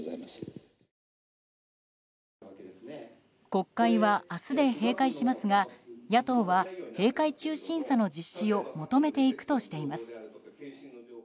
国会は明日で閉会しますが野党は閉会中審査の実施を求めていくとしています。